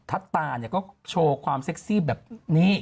ทัศตาเนี่ยก็โชว์ความเซ็กซี่แบบนี้